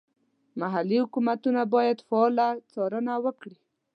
محلي حکومتونه باید فعاله څارنه وکړي.